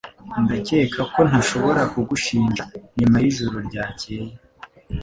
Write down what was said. Ndakeka ko ntashobora kugushinja nyuma yijoro ryakeye